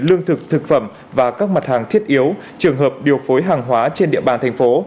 lương thực thực phẩm và các mặt hàng thiết yếu trường hợp điều phối hàng hóa trên địa bàn thành phố